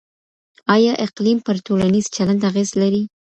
آيا اقليم پر ټولنيز چلند اغېز لري؟